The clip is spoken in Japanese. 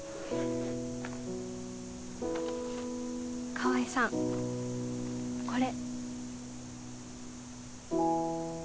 川合さんこれ。